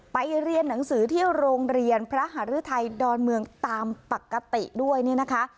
เรียนหนังสือที่โรงเรียนพระหารือไทยดอนเมืองตามปกติด้วยเนี่ยนะคะ